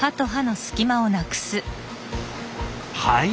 はい。